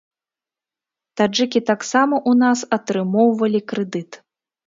Таджыкі таксама ў нас атрымоўвалі крэдыт.